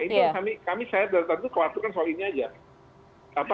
ini yang kami saya berkata itu khawatir kan soal ini saja